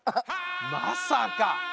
まさか！